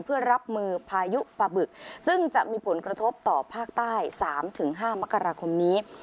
เพื่อรับมือพายุปะบึกซึ่งจะมีผลกระทบต่อภาคใต้๓๕มกราคมนี้